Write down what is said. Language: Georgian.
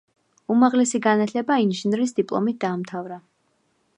უმაღლესი განათლება ინჟინრის დიპლომით დაამთავრა.